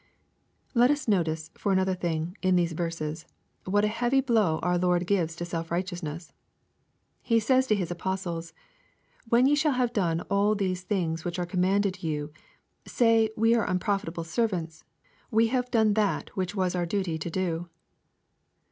Let us notice, for another thing, in these verses, what a heavy blow our Lord gives to self righteousness. He says to His apostles, "When ye shall hate done all these things which are commanded you, say we are unprofitable ser vants : we have done that which was our duty to do."